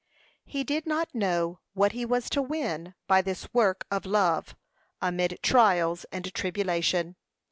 He did not know what he was to win by this work of love, amid trials and tribulation.